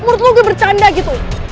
menurut lo gue bercanda gitu